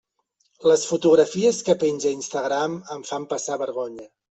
Les fotografies que penja a Instagram em fan passar vergonya.